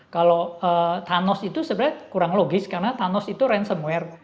kalau thanos itu sebenarnya kurang logis karena thanos itu ransomware